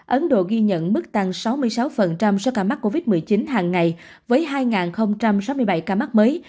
ấn độ ghi nhận mức tăng sáu mươi sáu số ca mắc covid một mươi chín hàng ngày với hai sáu mươi bảy ca mắc mới